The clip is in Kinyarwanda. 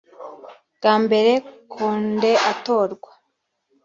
Bwa mbere Conde atorwa